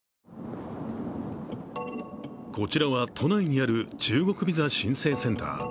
こちらは都内にある中国ビザ申請センター。